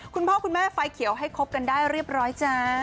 คุณพ่อคุณแม่ไฟเขียวให้คบกันได้เรียบร้อยจ้า